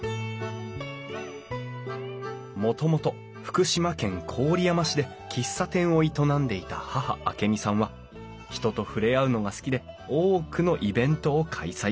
もともと福島県郡山市で喫茶店を営んでいた母明美さんは人と触れ合うのが好きで多くのイベントを開催！